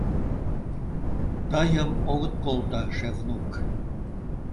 — Тыйым огыт колто, Шевнук.